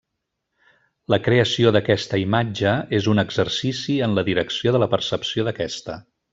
La creació d'aquesta imatge és un exercici en la direcció de la percepció d'aquesta.